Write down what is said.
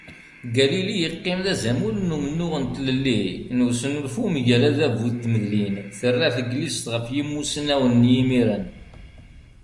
Galili iqqim d azamul n umennuɣ n tlelli n usnulfu mgal adabu d tmedlin terra teglizt ɣef yumussnawen n yimiren.